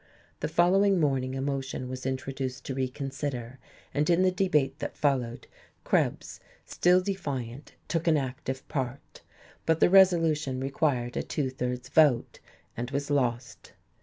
The following morning a motion was introduced to reconsider; and in the debate that followed, Krebs, still defiant, took an active part. But the resolution required a two thirds vote, and was lost.